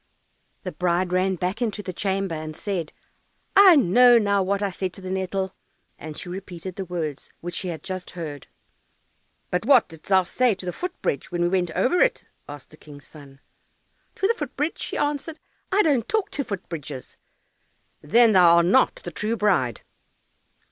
The bride ran back into the chamber, and said, "I know now what I said to the nettle," and she repeated the words which she had just heard. "But what didst thou say to the foot bridge when we went over it?" asked the King's son. "To the foot bridge?" she answered. "I don't talk to foot bridges." "Then thou art not the true bride."